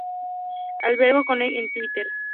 Alberto Conejero en Twitter.